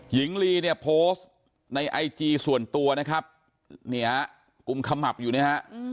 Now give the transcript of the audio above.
หญิงลีเนี่ยโพสต์ในไอจีส่วนตัวนะครับกุมขำหับอยู่นะฮะและเขียนข้อความบอกว่าเดินทางมาถึงที่พักและ